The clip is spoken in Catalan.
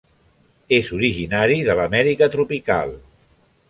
És originari de l'Amèrica tropical.